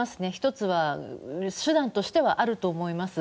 １つは手段としてはあると思います。